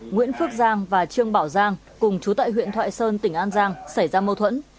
nguyễn phước giang và trương bảo giang cùng chú tại huyện thoại sơn tỉnh an giang xảy ra mâu thuẫn